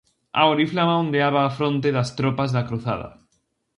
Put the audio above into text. A oriflama ondeaba á fronte das tropas da cruzada.